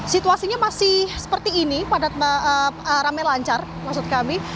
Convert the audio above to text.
situasinya masih seperti ini padat rame lancar maksud kami